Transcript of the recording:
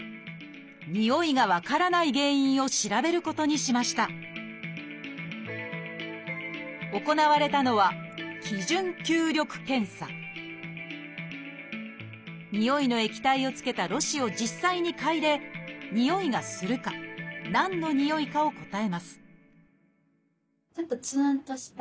においが分からない原因を調べることにしました行われたのはにおいの液体をつけたろ紙を実際に嗅いでにおいがするか何のにおいかを答えます